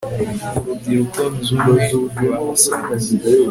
Mu Rubyiruko Nzi Umwe bahasanze